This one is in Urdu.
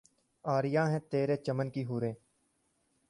عریاں ہیں ترے چمن کی حوریں